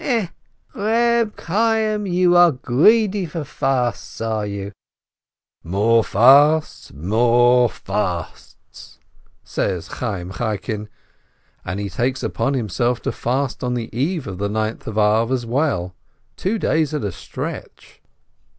E, Eeb Chayyim, you are greedy for fasts, are you?" "More fasts, more fasts!" says Chayyim Chaikin, and he takes upon himself to fast on the eve of the Ninth of Ab as well, two days at a stretch.